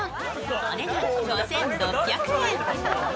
お値段５６００円。